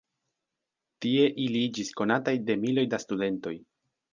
Tie ili iĝis konataj de miloj da studentoj.